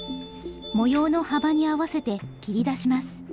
模様の幅に合わせて切り出します。